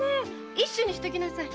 一朱にしときなさい。